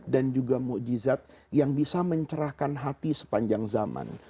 dan juga mukjizat yang bisa mencerahkan hati sepanjang zaman